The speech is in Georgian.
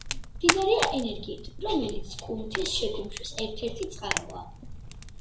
მდიდარია ენერგიით, რომელიც კუნთის შეკუმშვის ერთ-ერთი წყაროა.